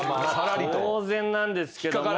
当然なんですけども。